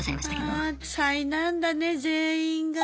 ああ災難だね全員が。